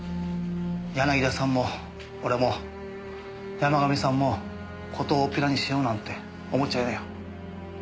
柳田さんも俺も山神さんも事を大っぴらにしようなんて思っちゃいないよ。